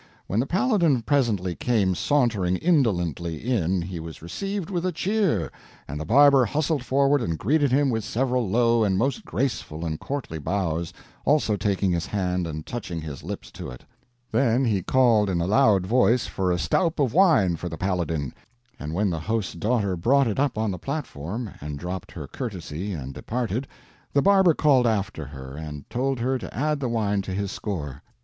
When the Paladin presently came sauntering indolently in, he was received with a cheer, and the barber hustled forward and greeted him with several low and most graceful and courtly bows, also taking his hand and touching his lips to it. Then he called in a loud voice for a stoup of wine for the Paladin, and when the host's daughter brought it up on the platform and dropped her courtesy and departed, the barber called after her, and told her to add the wine to his score.